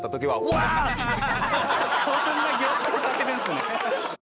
そんな凝縮されるんですね。